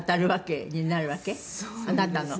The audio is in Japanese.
あなたの。